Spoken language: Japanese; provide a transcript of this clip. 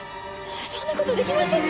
そんなことできません。